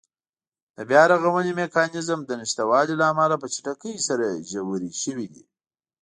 د بیا رغونې میکانېزم د نشتوالي له امله په چټکۍ سره ژورې شوې دي.